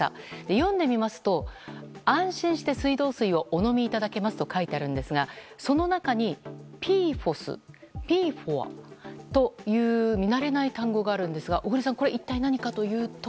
読んでみますと安心して水道水をお飲みいただけますと書いてあるんですが、その中にＰＦＯＳ、ＰＦＯＡという見慣れない単語があるんですが小栗さんこれは一体何かというと？